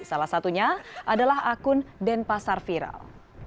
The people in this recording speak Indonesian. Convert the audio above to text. salah satunya adalah akun denpasar viral